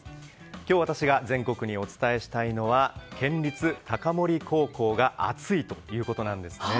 今日、私が全国にお伝えしたいのは県立高森高校が熱いということなんです。